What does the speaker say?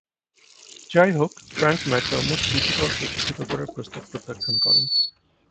যাইহোক, Frank McDermott দুটি দলকে একীভূত করার প্রস্তাব প্রত্যাখ্যান করেন।